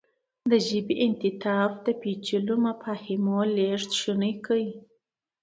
د ژبې انعطاف د پېچلو مفاهیمو لېږد شونی کړ.